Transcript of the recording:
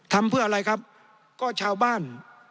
ทำเพื่ออะไรครับก็ชาวบ้าน